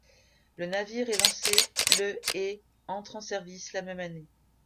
Le navire est lancé le et entre en service la même année.